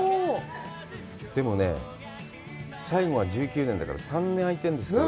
でもね、最後は１９年だから、３年あいてるんですけど。